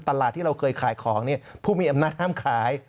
ตลาดที่เราเคยขายของผู้มีอำนาจห้ามขาย